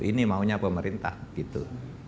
ini maunya pemerintah gitu